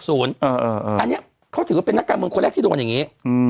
อันนี้เขาถือว่าเป็นนักการเมืองคนแรกที่โดนอย่างนี้